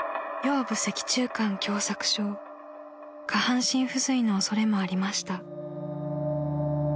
［下半身不随の恐れもありました］